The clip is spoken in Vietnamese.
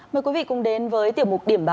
mời quý vị cùng đến với tiểu mục điểm báo